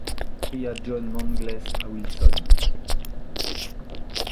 cria John Mangles à Wilson.